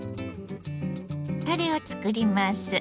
タレを作ります。